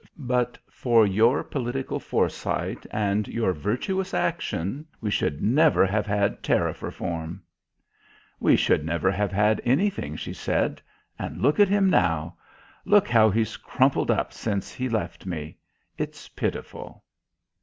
But for your political foresight and your virtuous action we should never have had Tariff Reform." "We should never have had anything," she said. "And look at him now. Look how he's crumpled up since he left me. It's pitiful."